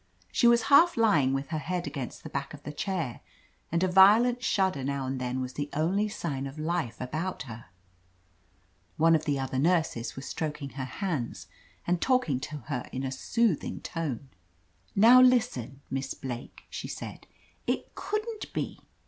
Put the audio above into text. She was half lying, with her head against the back of the chair, and a violent shudder now and then was the only sign of life about her. One of the other nurses was stroking her hands and talk ing to her in a soothing tone. "Now listen, Miss Blake,'' she said. "It couldn't be.